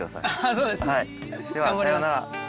そうですね頑張ります。